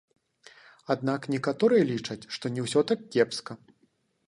Аднак некаторыя лічаць, што не ўсё так кепска.